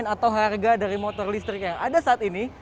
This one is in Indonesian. atau harga dari motor listrik yang ada saat ini